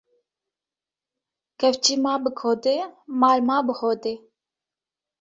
Kevçî ma bi kodê, mal ma bi hodê